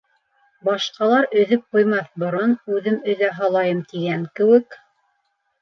Башҡалар өҙөп ҡуймаҫ борон үҙем өҙә һалайым тигән кеүек...